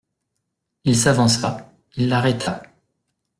Il s'avança, il l'arrêta.